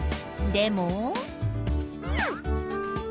でも？